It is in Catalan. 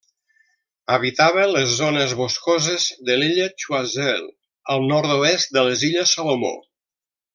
Habitava les zones boscoses de l'illa Choiseul, al nord-oest de les illes Salomó.